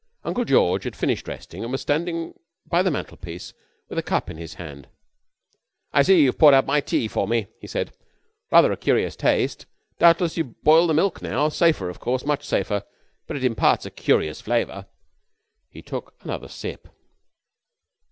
Uncle George had finished resting and was standing by the mantel piece with a cup in his hand. "I see you poured out my tea for me," he said. "But rather a curious taste. Doubtless you boil the milk now. Safer, of course. Much safer. But it imparts a curious flavour." He took another sip.